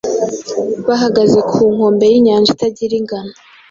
bahagaze Ku nkombe yinyanja itagira ingano